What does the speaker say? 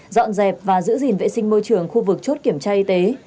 dọn dẹp và giữ gìn vệ sinh môi trường khu vực chốt kiểm tra y tế